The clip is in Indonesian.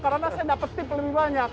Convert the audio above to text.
karena saya dapat tip lebih banyak